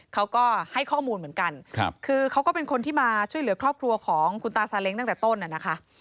เขาก็ให้ข้อมูลเหมือนกันคือเขาก็เป็นคนที่มาช่วยเหลือครอบครัวของคุณตาซาเล้งตั้งแต่ต้นนะคะ